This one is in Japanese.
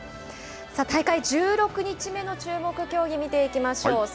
大会１６日目の注目競技見ていきましょう。